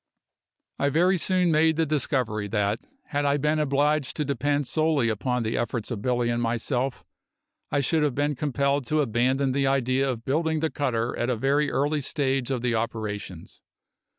I very soon made the discovery that had I been obliged to depend solely upon the efforts of Billy and myself, I should have been compelled to abandon the idea of building the cutter at a very early stage of the operations.